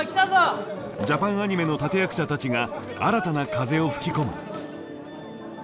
ジャパンアニメの立て役者たちが新たな風を吹き込む。